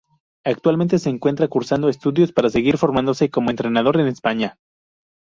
Actualmente se encuentra cursando estudios para seguir formándose como entrenador en España.